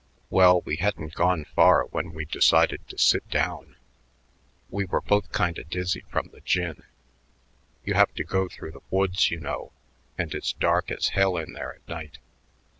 Well, we hadn't gone far when we decided to sit down. We were both kinda dizzy from the gin. You have to go through the woods, you know, and it's dark as hell in there at night....